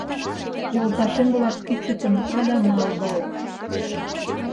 Йолташем-влак кӱчыкын — Ада малдалыт».